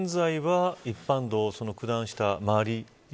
今現在は、一般道九段下の周り